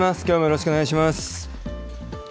きょうもよろしくお願いします。